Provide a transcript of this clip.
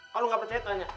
kalau lo gak percaya tanya